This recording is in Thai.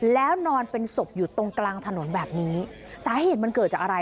แล้วนอนเป็นศพอยู่ตรงกลางถนนแบบนี้สาเหตุมันเกิดจากอะไร